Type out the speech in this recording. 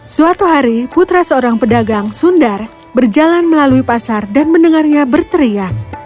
suatu hari putra seorang pedagang sundar berjalan melalui pasar dan mendengarnya berteriak